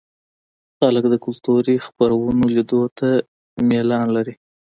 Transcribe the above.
خلک د کلتوري خپرونو لیدو ته میلان لري.